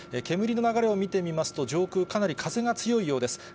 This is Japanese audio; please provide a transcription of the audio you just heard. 煙の流れを見てみますと、上空、かなり風が強いようです。